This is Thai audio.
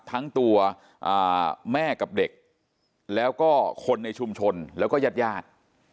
ทั้งตัวแม่กับเด็กแล้วก็คนในชุมชนแล้วก็ญาติญาติ